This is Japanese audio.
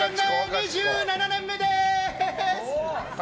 ２７年目です。